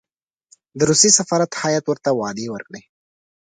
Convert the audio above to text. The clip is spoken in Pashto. د روسیې سفارت هېئت ورته وعدې ورکړې.